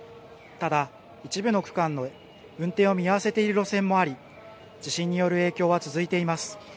ただ一部の区間の運転を見合わせている路線もあり地震による影響は続いています。